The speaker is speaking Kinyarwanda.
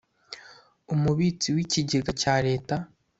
Umubitsi w Ikigega cya Leta